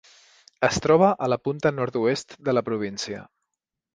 Es troba a la punta nord-oest de la província.